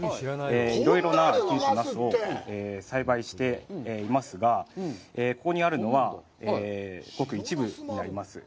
いろいろなナスを栽培していますが、ここにあるのは、ごく一部になります。